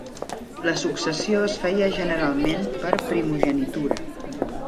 La successió es feia generalment per primogenitura.